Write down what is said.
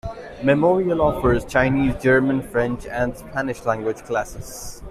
Memorial offers Chinese, German, French and Spanish language classes.